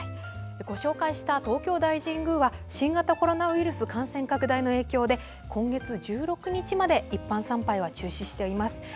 ご紹介した東京大神宮は新型コロナウイルス感染拡大の影響で今月１６日まで一般参拝は中止しております。